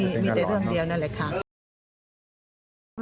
มีแต่เรื่องเดียวนั่นแหละค่ะ